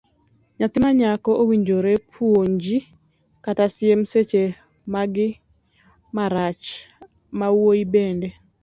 Nyathi manyako owinjore opunji kata siem seche magi marach, mawuoyi bende.